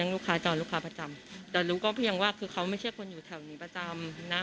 รู้ความจำแต่รู้ก็เพียงว่าเค้าไม่ใช่คนอยู่แถวนี้ประจำนะ